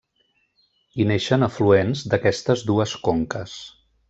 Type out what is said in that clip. Hi neixen afluents d'aquestes dues conques.